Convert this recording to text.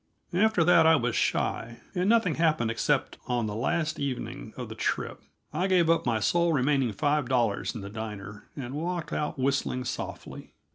After that I was shy, and nothing happened except that on the last evening of the trip, I gave up my sole remaining five dollars in the diner, and walked out whistling softly.